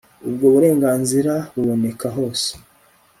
ubwo burenganzira buboneka hose